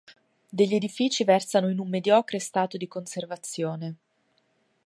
Degli edifici versano in un mediocre stato di conservazione.